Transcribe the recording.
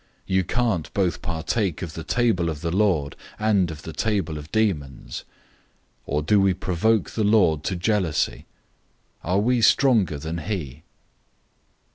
You can't both partake of the table of the Lord, and of the table of demons. 010:022 Or do we provoke the Lord to jealousy? Are we stronger than he?